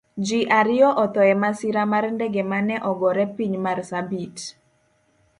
Ji ariyo otho emasira mar ndege mane ogore piny marsabit